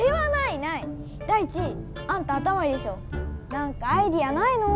なんかアイデアないの？